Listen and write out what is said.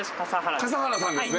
笠原さんですね！